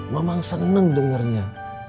mamang seneng dengernya